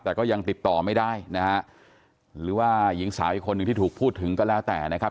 แต่ก็ยังติดต่อไม่ได้นะฮะหรือว่าหญิงสาวอีกคนหนึ่งที่ถูกพูดถึงก็แล้วแต่นะครับ